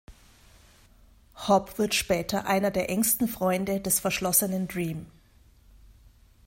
Hob wird später einer der engsten Freunde des verschlossenen Dream.